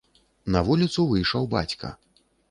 На вуліцу выйшаў бацька.